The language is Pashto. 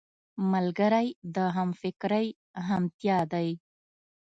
ملګری د همفکرۍ همتيا دی